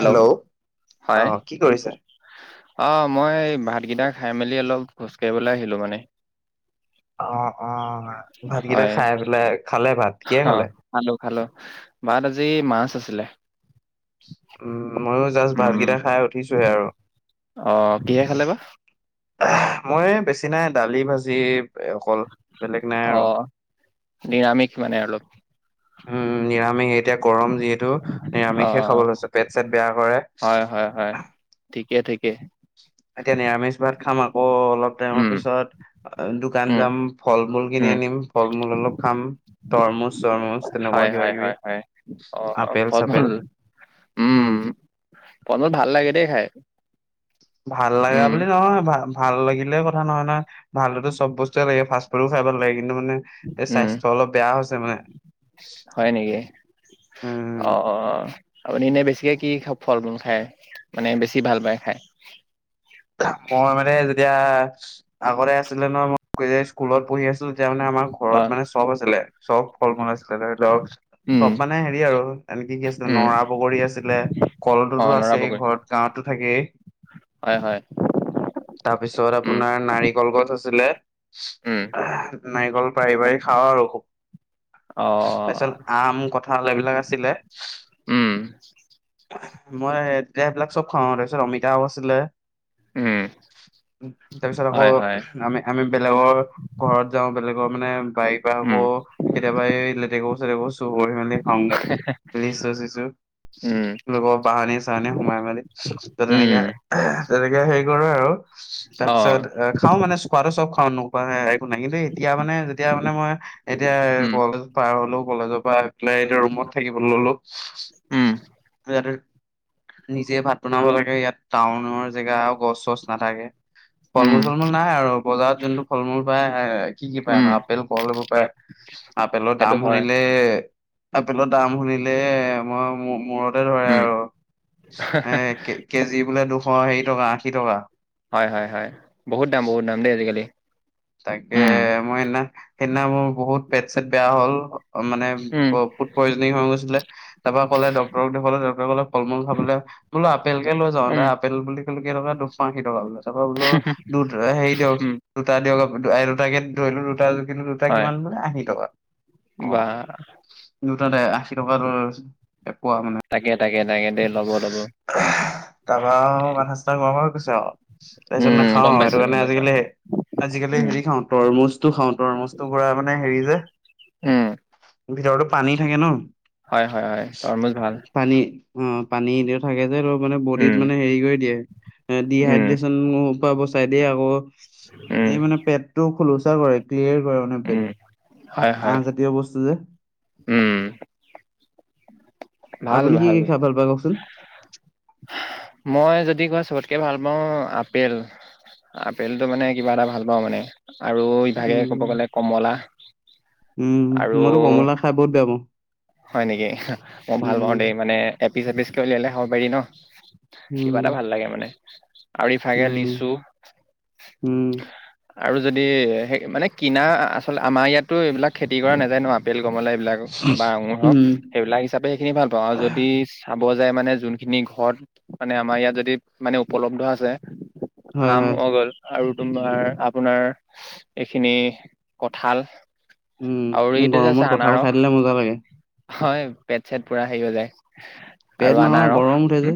Hello হয় অহ, কি কৰিছে? অ মই ভাতকেইটা খাই মেলি অলপ খোজ কাঢ়িবলৈ আহিলো মানে। অ অ ভাতকেইটা হয় খাই পেলাই, খালে ভাত কিহেৰে অ খালে? খালো খালো ভাত আজি মাছ আছিলে। ময়ো জাষ্ট উম ভাতকেইটা খাই উঠিছো হে আৰু। অ কিহেৰে খালে বা? চিনাই দালি ভাজিব অকল বেলেগ নাই অ আৰু, নিৰামিষ মানে অলপ উম নিৰামিষ এতিয়া গৰম যিহেতু অ নিৰামিষে খাব লৈছে, পেট চট বেয়া কৰে হয় হয় হয় ঠিক, এতিয়া নিৰামিষ ভাত খাম আকৌ, অলপ টাইমৰ উম পিছত দোকান উম যাম, ফল মূল কিনি উম আনিম ফল মূল অলপ খাম। তৰমুজ তৰমুজ হয় তেনেকুৱা হয় কিবা কিবি, হয় হয় অ অ ফল মূল, উম হম। [unintelligible] ভাল লাগে দেই খাই। ভাল লগা উম বুলি নহয়, ভাল, ভাল লাগিলে কথা নহয় নহয়, ভালতো চব বস্তুৱে লাগে ফাষ্ট ফুডো খাই ভাল লাগে। কিন্তু, মানে এই উম স্বাস্থ্য অলপ বেয়া হৈছে মানে। হয় নেকি উম অ অঁ। আপুনি এনেই বেছিকে কি ফল ফূল খায়, মানে বেছি ভাল পায় খায়? এতিয়া আগতে আছিলে ন মই স্কুলত পঢ়ি আছিলোঁ। এতিয়া মানে আমাৰ অ ঘৰত মানে চব আছিলে চব ফল মূল আছিলে, ধৰি লওক উম সব মানে হেৰি আৰু এনেকে কি আছিলে উম নৰা বগৰী আছিলে অ কলটোতো আছে এই নৰাবগৈ ঘৰত গাঁৱ। থাকে। হয় হয়। তাৰপিছত উম আপোনাৰ নাৰিকল গছ আছিলে। উম নাৰিকল পাৰি পাৰি খাওঁ আৰু খুব। অ তাৰপিছত আম কঠ এইবিলাক আছিলে। উম মই এতিয়া এই বিলাক চব খাওঁ তাৰপিছত অমিতাও আছিলে। উম তাৰপিছত আকৌ হয় হয় আমি আমি বেলেগৰ ঘৰত যাওঁ বেলেগ কৰ মানে বাৰী পাৰ ক উম কেতিয়াবা এই লেটেকুৰ চেটেক চুৰ কৰি মেলি খাওঁগে লিচু চিছো উম লোকৰ বাহানী চাহানি উম - অ তাৰপিছত খাওঁ মানে খোৱা টো চব খাওঁ নোখুওৱা নাই। নাহিলেই কিন্তু এতিয়া মানে যেতিয়া মানে মই এতিয়া উম কলেজ পাৰ হলো কলেজৰ পৰা- পাই এতিয়া ৰুমত থাকিবলৈ ললো। উম নিজে ভাত বনাব লাগে ইয়াত টাউনৰ জেগা আৰু গছ চছ নাথাকে। ফল মূল উম চল মূল নাই আৰু বজাৰত যোনটো ফল মূল পায় কি কি পায় ন উম আপেল কল ল'ব পাৰে আপেলৰ সেইটো দাম হয় শুনিলে আপেলৰ দাম শুনিলে মই মূৰত ধৰে উম আৰু এ কেজি বোলে দুশ হেৰি টকা আশী টকা। হয় হয় হয় বহুত দাম বহুত দাম দেই আজিকালি। তাকে উম মই সেইদিনা সেইদিনা মোৰ বহুত পেট চেট বেয়া হ'ল। মানে উম ফুড পয়জনিং হৈ গৈছিলে। তাৰপৰা ক'লে ডক্টক দেখুৱলে ড্টৰে ক'লে ফল মূ খাবলৈ বোলো আপেল কে লৈ যাওঁ দ উম আপেল বুলি কেইটকা দুশ আশী টকা বোলে তকা বোলো দু হেৰি দিয়ক উম দুটা দিয়ক। দুট কে ধৰিলো দুটা জুখিলো দুটা হয় কিমান মানে আী টকা অ বা দু আশী টকা দুটাতে তাকে তাকে তাকে। দেই ল'ব ল'ব তাৰপাও মাথা চাথা গৰম হৈ কৈছা তাৰপিছত উম নাখাও গম পাইছো সেইটো গম কাৰণে পাইছো আজিকালি আজিকালি উম হেৰি খাও তৰমুজ খাও ত তৰমুজ টো পৰা হেৰি যে উম ভিতো পানী থাকে ন। হয় হয় হয় তৰমুজ ভাল। পানী অ পানী দি থাকে যে অলপ। মানে বডিত উম মানে হেৰি কৰি দিয়ে এ উম ডিহাইড্ৰেচন প ব চাই দিয়ে আকৌ উম এই মানে পেট টো খোলচা কৰে ক্লিয়াৰ মানেে উম হয় হয় আহজাতীয় বস্তু যে। উম। উম। ভাল ভাল। কি খাই ভাল পায় কওকচোন? মই যদি কোৱা চবতকৈ ভাল পাওঁ আপেল আপেলটো মানে কিবা এটা ভাল পাওঁ মানে। আৰু ইভাগে ক'ব উম গ'লে কমলা। উম আৰু মইতো কমলা খাই বহুত বেয়া পাওঁ। হয় নেকি? ভাল পাওঁ দেই উম মানে এপিচ এপিচকে উলিয়ালে হব পাৰি ন কিবা এটা উম ভাল লাগে মানে। আউৰিফাগে লিচু। উম উম আৰু যদি সেই মানে কিনা আচলতে আমাৰ ইয়াতো এইবিলাক খেতি কৰা নাযায় ন আপেল গমলা এইবিলাক বা আঙুৰ হওক উম সেইবিলাক হিচাপে সেইখিনি ভাল পাওঁ আৰু যদি- খাব যায় মানে যোনখিনি ঘৰত মানে আমাৰ ইয়াত যদি মানে উপলব্ধ আছে। হয় আম হয় মগল আৰু- তোমাৰ আপোনাৰ এইখিনি কঠাল। উম গৰমত কঁঠাল খাই দিলে মজা লাগে। হয় পেট চেট পুৰা হেৰি হৈ যায়। পেট আৰু নহয় আনাৰস গৰম উঠে যে উম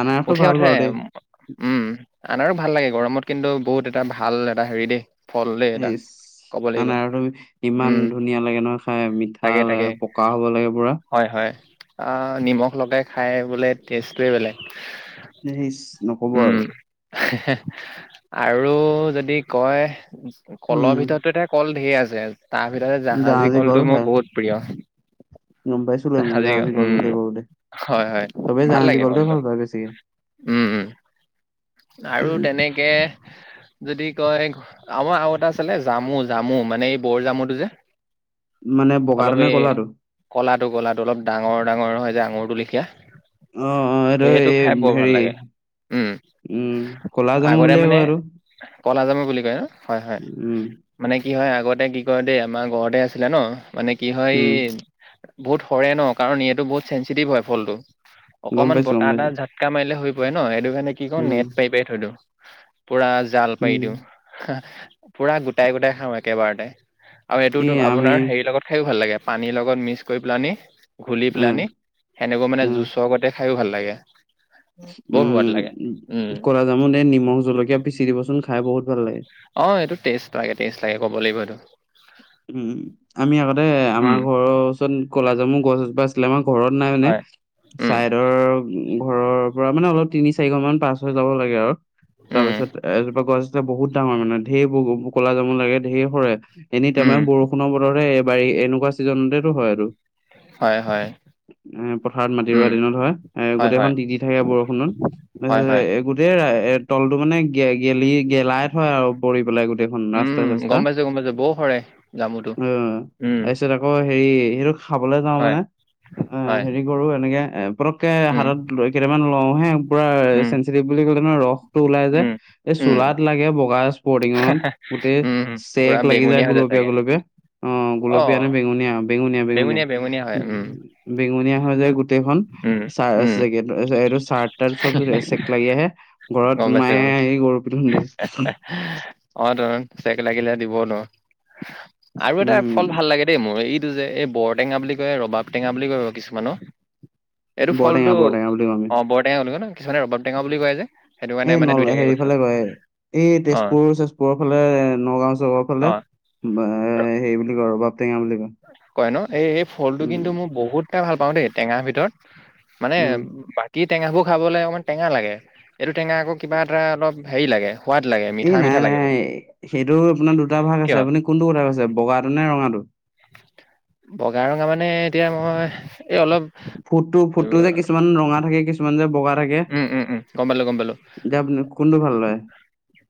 আনাৰসটো উঠে ভাল উঠে বাৰু দেই। উম। আনাৰো ভাল লাগে গৰমত কিন্তু বহুত এটা ভাল এটা হেৰি দেই। ফল দেই স এটা [unintelligible] ক'ব লাগিব আনাৰস তুমি ইমান উম ধুনীয়া লাগে নহয় খাই মিঠা তাকে তাকে পকা হ'ব লাগে পুৰা। হয় হয় অ নিমখ লগাই খাই বোলে টেষ্টটোৱে বেলেগ। ইচ নকব উম আৰু। আৰু যদি কয় উম কলৰ ভিতটো এতিয়া কল ধে আছে তাৰ ভিততে জাহাজী কল কলটো খাই মোৰ বহুত প্ৰিয়। গম পাইছিলো মই জাহাজী কল গল বুলি উম কো দে হয় হয় তবেই ভাল জাহাজী লাগে গলটোৱে কলটো ভাল পায় বেছিকে। [inaudible] উম উম আৰু তেনেকে যদি কয় আমাৰ আও এটা আছিলে জামু- জামু মানে এই বৰ জামুটো যে। মানে বগাটোনে ক'লাটো। টো ক'লাটো অলপ ডাঙৰ- ডাঙৰ হয় যে আঙুৰটো লেখীয়া। অ' এইটো সেইটো এই খাই বৰ ভাল হেৰি লাগে উম উম, ক'লা জামো বুলিহে কয় এটো। ক'লাজামো বুলি কয় ন হয়-হয় মানে কি হয় আগতে কি কয় দেই আমাৰ ঘৰতে আছিলে ন মানে কি হয় উম বহুত সৰে ন কাৰণ এইটো বহুত চেঞ্চিটিভ হয় ফলটো। গম অকমান পাইছো গম বতাহ এটা পাইছো ঝাতকা মাৰিলে সৰি পৰে ন, সেইটো কাৰণে কি কই উম নেট পাৰি পাৰি থৈ দিওঁ, পুৰা জাল পাৰি উম দিওঁ। পুৰা গোটাই-গোটাই খাওঁ একেবাৰতে আৰু এই এইটোতো আমি আপোনাৰ হেৰিৰ লগত খাইও ভাল লাগে। পানীৰ লগত মিক্স কৰি পেলানি ঘুলি অ পেলানি সেনেকৈ মানে অ জুচৰ গটে - খাইও ভাল লাগে। বৰ সোৱাদ উম, লাগে উম। ক'লা জামূত এই নিমখ জলকীয়া পিচি দিবচোন। খাই বহুত ভাল লাগে অ', এইটো তেষ্ট লাগে- তেষ্ট লাগে ক'ব লাগিব এইটো। উম, আমি আগতে আমাৰ উম ঘৰৰ ওচৰত ক'লাজামু গছ এজোপা আছিলে আমাৰ ঘৰত নাই মানে হয় উম চাইদৰ ঘৰৰ পৰা মানে অলপ তিনি চাৰি ঘৰ মান পাছ হৈ যাব লাগে আৰু তাৰ উম পিছত এজোপা গছ বহুত ডাঙৰ মানে ঢেৰ ক'লা জামো লাগে ঢেৰ সৰে, এনেই তোমাৰ উম বৰষুণৰ বতৰ বা ই এনেকুৱা ছিজনতেটো হয় এটো। হয়- হয়। এ পথাৰত মাটি দৰা উম দিনত হয় এ হয় হয় গোটেইখন টিতি থাকে বৰষুণত। হয় তাৰপিছত হয় এ গোটেই এ তলটো মানে গেলি গেলাই থই আৰু পৰি পেলাই গোটেইখন ৰাস্তা উম গম চাষ্টা। পাইছো গম পাইছো বৰ সৰে জামুটো অ' উম তাৰপিছত আকৌ হেৰি সেইটো খাবলে যাওঁ হয় মানে আ হয় হেৰি কৰো এনেকে পতককে উম হাতত লৈ কেইটামান লওঁ হে পুৰা উম চেনছিটিভ বুলি ক'লে ন ৰসটো ওলাই যায়, উম এই উম চোলাত লাগে বগা স্পৰ্টিঙত গোটেই উম পুৰা চেক লাগি যায় বেঙুনীয়া হৈ গুলপীয়া- চাগে গুলপীয়া। অ' অ গুলপীয়া নে বেঙুনীয়া বেঙুনীয়া- বেঙুনীয়া -বেঙুনীয়া হৈ যায় গোটেইখন। উম চা উম [unintelligible] এইটো চাৰ্ট তাৰ্ত চব চেক লাগি আহে ঘৰত গম পাইছো গম পাইছো মায়ে আহি গৰু পিতন দিয়ে। অ' টোন চেক লাগিলে দিব ন আৰু এটা উম ফল ভাল লাগে দেই মোৰ এই টো যে এই বৰটেঙা বুলি কয় ৰবাব টেঙা বুলি কয় বাৰু কিছুমানৰ এইটো বৰটেঙা ফলটো বৰটেঙা বুলি কওঁ আমি অ' বৰটেঙা বুলি কয় ন কিছুমানে ৰবাব টেঙা বুলি কয় যে সেইটো কাৰণে এই মানে দুইটাকে কৈছোঁ। [unintelligible] এই তেজপুৰ চেজ পুৰৰ ফালে নগাঁও চহৰ ফালে অ হেৰি বুলি কয়, আৰু ৰবাবটেঙা বুলি কয়। কয় ন এই- এই ফলটো উম কিন্তু মই বহুতটা ভাল পাওঁ দেই টেঙাৰ ভিতৰত মানে উম বাকী টেঙাবোৰ খাবলৈ অকণমান টেঙা লাগে, এইটো টেঙা আকৌ কিবা এটা অলপ হেৰি লাগে। সোৱাদ লাগে এ মিঠা মিঠা নাই- লাগে নাই মোক সেইটো আপোনাৰ দুটা ভাগ আছে কিয় আপুনি কোনটো কথা কৈছে বগাটো নে ৰঙাটো। বগা ৰঙা মানে এতিয়া মই এই অলপ ফুটটো- ফুটটো যে কিছুমান ৰঙা থাকে কিছুমান যে বগা থাকে উম উম-উম, গম পালোঁ - গম পালোঁ। এতিয়া আপুনি কোনটো ভাল লয়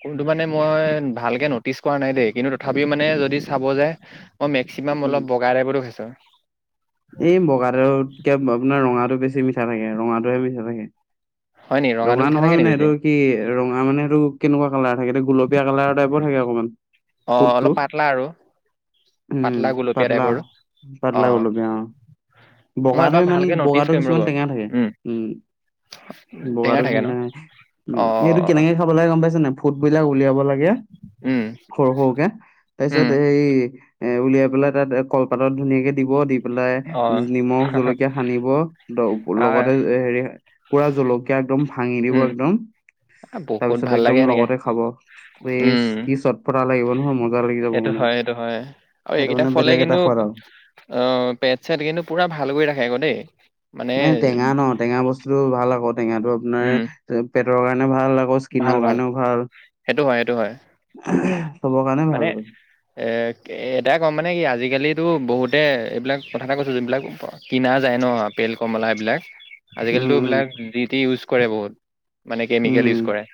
কোনটো মানে মই ভালকে নটিছ কৰা নাই দেই, কিন্তু তথাপিও মানে যদি চাব যাই মই মেক্সিমাম উম অলপ বগাই টাইপতো খাইছোঁ। এই বগাটোতকে আপোনাৰ ৰঙাটো বেছি মিঠা থাকে, ৰঙাটোহে মিঠা থাকে। হয় নি ৰঙাটো ৰঙা মিঠা নহয় থাকে নি মানে, সেইটো বেছি কি ৰঙা মানে সেইটো কেনেকুৱা কালাৰ থাকে এটো গোলপীয়া কালাৰ টাইপৰ থাকে অকমান অ ফুটটো। অলপ পাতলা আৰু উম, পাতলা গুলপীয়া পাতলা টাইপৰ - অ পাতলা গুলপীয়া অ। মই বগাটো এবাৰ ইমান ভালকে নটিচ বগাটো কৰিম ৰ'ব কিছুমান টেঙা থাকে, উম। টেঙা বগাটো থাকে ন হেনু উ অ এইটো কেনেকে খাবলে লাগে গম পাইছে নে ফুট বিলাক উলিয়াব লাগে উম সৰু সৰুকে উম তাৰপিছত এই এ উলিয়াই পেলাই তাত কলপাতত ধুনীয়াকে দিব দি পেলাই অ নিমখ জলকীয়া সানিব আহ লগতে হেৰি পুৰা জলকীয়া একদম ভাঙি দিব উম একদম আ, তাৰ বহুত পিছত ভাল একদম লাগে এনেকে লগতে খাব ইচ্ উম কি চত পটা লাগিব নহয় মজা লাগি যাব সেইটো মানে হয় সেইটো হয় আৰু সেইটো এইকেইটা মানে ফলে বেলেগ এটা কিন্তু সোৱাদ আৰু। অ অ পেট চেট কিন্তু পুৰা ভাল কৰি ৰাখে আকৌ দেই মানে নিবব মে উম ত পেট পেটৰ কাৰণে ভাল আকৌ স্কিনৰ কাৰণেও ভাল সেইটো হয় সেইটো হয় চবৰ কাৰণে ভাল মানে আৰু এ এটাই ক'ম মানে কি আজিকালিতো বহুতে এইবিলাক কথা এটা কৈছো যোনবিলাক কিনা যায় ন তেল কমলা বিলাক আজিকালিতো উম এবিলাক জি টি ইউজ কৰে বহুত মানে উম কেমিকেল ইউজ কৰে উম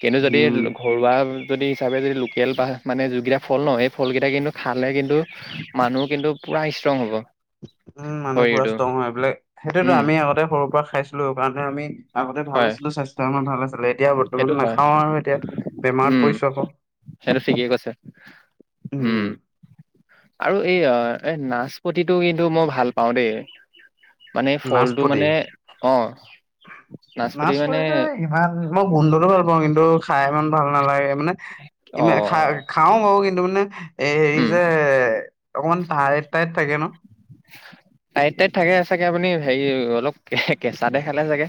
কিন্তু যদি উম ঘৰুৱা যদি হিচাপে যদি লোকেল পাই মানে যিগিটা ফল নহ সেই ফলকেইটা কিন্তু খালে কিন্তু মানুহ কিন্তু পুৰা ষ্ট্ৰং হ'ব উম মানুহ পুৰা শৰীৰটো ষ্টং হয় এবিলোক সেইটোৱেত উম আমি আগতে সৰুৰ পৰা খাইছিলো হেকাৰণে আমি আগতে ভাল হয় আছিলো স্বাস্থ্য আমাৰ ভাল আ ছিলো এতিয়া বৰ্তমান সেইটো হয় নাখাও আৰু এতিয়া বেমাৰত পৰিছো আক উম সেইটো ঠিকেই কৈছে উম আৰু এই অ এ নাচপতিটো কিন্তু মই ভাল পাওঁ দেই মানে ফলটো নাচপতি মানে অ নাচপাতি মানে নাচপতিটো ইমান মই গোন্ধটো ভাল পাওঁ কিন্তু খাই ইমান ভাল নালাগে মানে ইমা খাই অ খাও বাৰু কিন্তু মানে এ হেৰি উম, যে অকমান টাইত টাইত থাকে ন টাইত টাইত থাকে চাগে আপুনি হেৰি অলপ কে কেঁচাতে খালে চাগে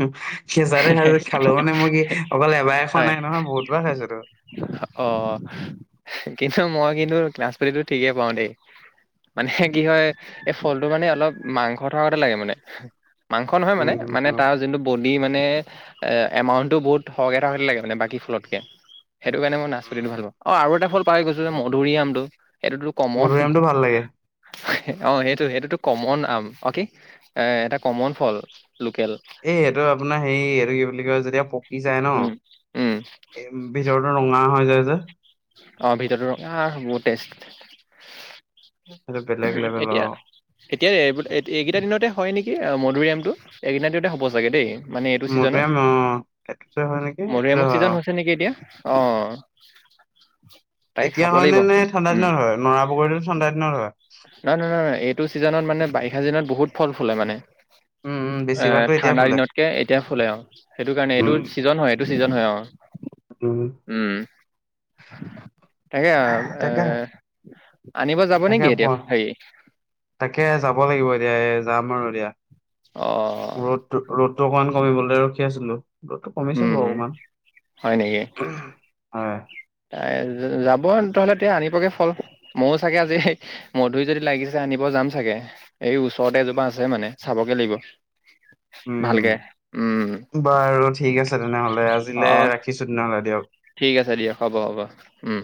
উম কেঁচাতে খাইছো খালো মানে মই কি অকল এবাৰে খোৱা হয় নাই নহয় বহুতবাৰ খাইছো ত অ কি মই কিন্তু নাচপতিটো ঠিকেই পাও দেই মানে কি হয় এই ফলটো মানে অলপ মাংস থকাগতে লাগে মানে মাংস নহয় মানে উম। মানে তাৰ যোনটো বন দি মানে এ এমাউন্টটো বহুত সৰহকে সহ লাগে মানে বাকী ফুৰতকে সেইটো কাৰণে মই নাচ পতিটো উম ভাল পাওঁ অ আৰু এটা ফল পাই গৈছো মধুৰি আমটো এইটোতো কমন মধুৰআমটো ভাল লাগে অ সেইটো সেইটোতো কমন আম অ কি এ এটা কমন ফল লোকেল এই এইটো আপোনাৰ হেই এইটো কি বুলি কয় যেতিয়া পকি যায় ন উম, উম, এ ভিতৰতো ৰঙা হই যাই যে অ ভিতৰতো ৰঙা বহুত টেষ্ট সেইটো বেলেগ লেভেলৰ। এতিয়া এতিয়া এ এইকেইটা দিনতে হয় নিকি কি মধুুৰীআমটো এইকেইতা দিনতে হ'ব চাগে দেই মানে এইটো ছিজনত মধুৰিআম অ এইটোতে হয় নেকি এইটোতে মধুৰিআমৰ হয় ছিজন অ। হৈছে নিকি এতিয়া অ তাকে খাব এতিয়া লাগিব হয়নে নে ঠাণ্ডা উম দিনত হয় নৰা বগৰীতো ঠাণ্ডা দিনত হয় নহয় নহয় এইটো ছিজনত মানে বাৰিষা চিজনত বহুত ফল ফুলে মানে উম উম এ বেছিভাগতো এতিয়া ঠাণ্ডা ফুলে। দিনতকে এতিয়া ফুলে আৰু সেইটো কাৰণে এইটো উম ছিজন হয় এইটো ছিজন হয় অ উম উম তাকে তাকে এ আনিব যাব তাকে নেকি এতিয়া কোৱা হেৰি তাকে যাব লাগিব এতিয়া যাম আৰু এতিয়া অ ৰ'দ ৰ'দটো অকমান কমিবলে ৰখি আছিলো ৰদটো কমিছে উম বাও অকমান হয় এ যাব তেনেহলে তেতিয়া আনিবগে ফল ময়ো চাগে আজি মধুৰি যদি লাগিছে আনিব যাম চাগে, এই ওচৰতে এজোপা আছে মানে চাবগে লাগিব। উম, ভালকে উম বাৰু ঠিক আছে তেনেহ'লে অ আজিলে ৰাখিছো তেনেহ'লে দিয়ক। ঠিক আছে দিয়া। হ'ব হ'ব উম।